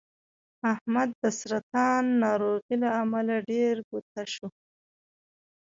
احمد د سرطان ناروغۍ له امله ډېر بته شو